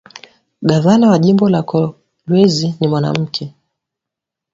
Gavana wa jimbo la kolwezi ni mwanamuke